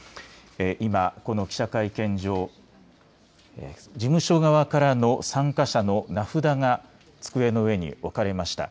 今、この記者会見場、事務所側からの参加者の名札が机の上に置かれました。